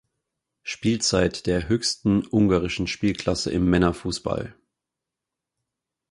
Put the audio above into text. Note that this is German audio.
Spielzeit der höchsten ungarischen Spielklasse im Männerfußball.